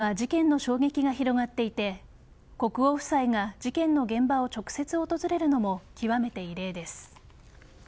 タイでは事件の衝撃が広がっていて国王夫妻が事件の現場を直接訪れるのも極めて異例です。